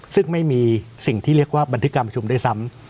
ซึ่งไม่มีสิ่งที่เรียกว่าบันทึกการประชุมด้วยซ้ำ